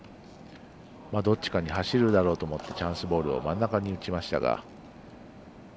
どっちかに走るだろうと思ってチャンスボールを真ん中に打ちましたが。